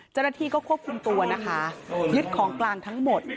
เจ้าหน้าที่ก็ควบคุมตัวนะคะยึดของกลางทั้งหมด